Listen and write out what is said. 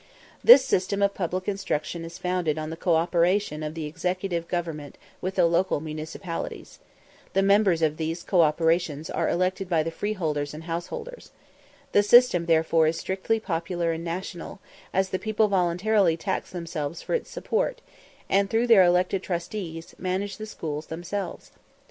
This system of public instruction is founded on the co operation of the Executive Government with the local municipalities. The members of these corporations are elected by the freeholders and householders. The system, therefore, is strictly popular and national, as the people voluntarily tax themselves for its support, and, through their elected trustees, manage the schools themselves.